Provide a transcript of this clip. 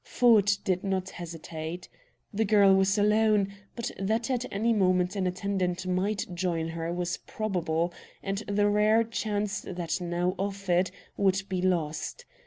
Ford did not hesitate. The girl was alone, but that at any moment an attendant might join her was probable, and the rare chance that now offered would be lost.